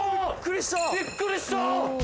びっくりした！